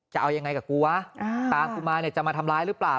จะเอายังไงกับกูวะตามกูมาเนี่ยจะมาทำร้ายหรือเปล่า